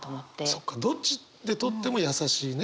そっかどっちで取っても優しいねこれは。